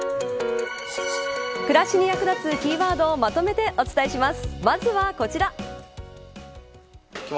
暮らしに役立つキーワードをまとめてお伝えします。